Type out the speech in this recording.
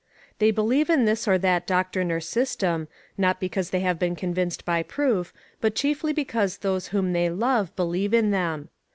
They believe in this or that doctrine or system, not because they have been convinced by proof, but chiefly because those whom they love believe in them.